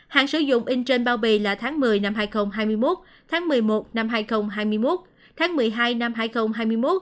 hàng sử dụng in trên bao bì là tháng một mươi năm hai nghìn hai mươi một tháng một mươi một năm hai nghìn hai mươi một tháng một mươi hai năm hai nghìn hai mươi một